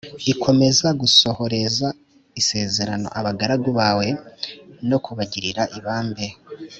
ikomeza gusohoreza isezerano abagaragu bawe no kubagirira ibambe